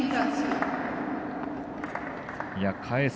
返す